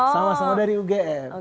sama sama dari ugm